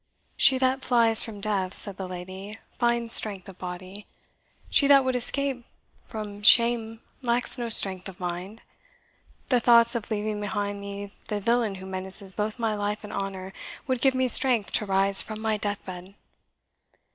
"She that flies from death," said the lady, "finds strength of body she that would escape from shame lacks no strength of mind. The thoughts of leaving behind me the villain who menaces both my life and honour would give me strength to rise from my deathbed."